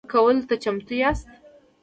بستونه په څو کټګوریو ویشل شوي؟